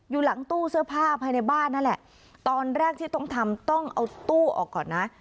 อยู่หลังตู้เสื้อผ้าภายในบ้านนั่นแหละตอนแรกที่ต้องทำต้องเอาตู้ออกก่อนนะ